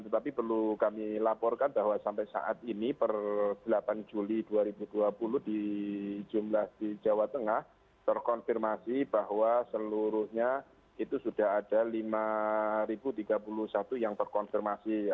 tetapi perlu kami laporkan bahwa sampai saat ini per delapan juli dua ribu dua puluh di jumlah di jawa tengah terkonfirmasi bahwa seluruhnya itu sudah ada lima tiga puluh satu yang terkonfirmasi